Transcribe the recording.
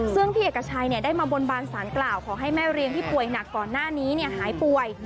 ซึ่งพี่เอกชัยได้มาบนบานสารกล่าวขอให้แม่เรียงที่ป่วยหนักก่อนหน้านี้หายป่วย